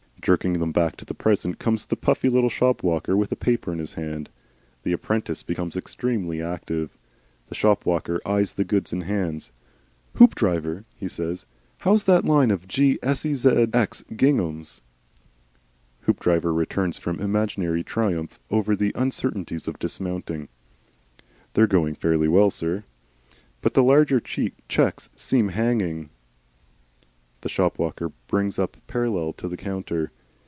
Jerking them back to the present comes the puffy little shop walker, with a paper in his hand. The apprentice becomes extremely active. The shopwalker eyes the goods in hand. "Hoopdriver," he says, "how's that line of g sez x ginghams?" Hoopdriver returns from an imaginary triumph over the uncertainties of dismounting. "They're going fairly well, sir. But the larger checks seem hanging." The shop walker brings up parallel to the counter.